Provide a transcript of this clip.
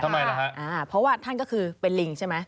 ทำไมล่ะฮะอ่าเพราะว่าท่านก็คือเป็นลิงใช่ไหม